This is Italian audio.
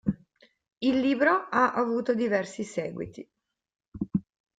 Il libro ha avuto diversi seguiti.